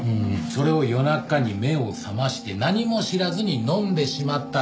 それを夜中に目を覚まして何も知らずに飲んでしまった。